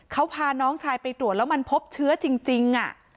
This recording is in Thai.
เขาพาน้องชายไปตรวจแล้วมันพบเชื้อจริง